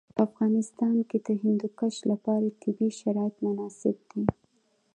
په افغانستان کې د هندوکش لپاره طبیعي شرایط مناسب دي.